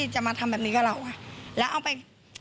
เจอมตรงนี้ไง